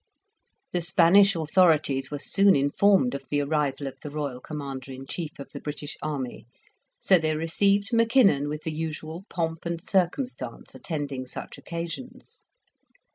The Spanish authorities were soon informed of the arrival of the Royal Commander in Chief of the British army; so they received Mackinnon with the usual pomp and circumstance attending such occasions.